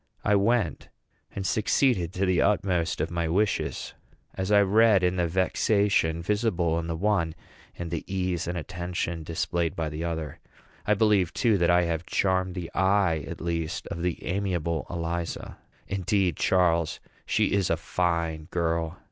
I went, and succeeded to the utmost of my wishes, as I read in the vexation visible in the one, and the ease and attention displayed by the other. I believe, too, that I have charmed the eye, at least, of the amiable Eliza. Indeed, Charles, she is a fine girl.